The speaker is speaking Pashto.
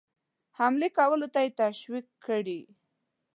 حملې کولو ته یې تشویق کړي.